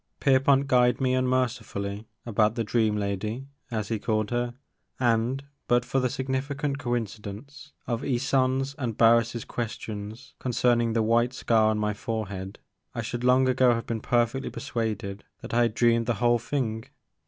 Pierpont guyed me unmercifully about the dream lady'* as he called her, and, but for the significant coincidence of Ysonde's and Har ris' questions concerning the white scar on my forehead, I should long ago have been perfectly persuaded that I had dreamed the whole thing.